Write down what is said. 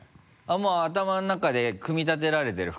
もう頭の中で組み立てられてる？